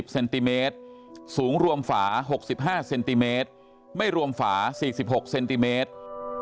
เซนติเมตรสูงรวมฝา๖๕เซนติเมตรไม่รวมฝา๔๖เซนติเมตร